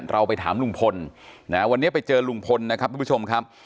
เราไปถามลุงพลนะวันนี้ไปเจอลุงพลนะครับทุกผู้ชมครับ